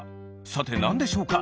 さてなんでしょうか？